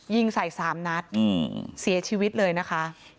ยิงใส่๓นัดเสียชีวิตเลยนะคะ